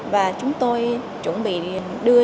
và chúng tôi chuẩn bị đưa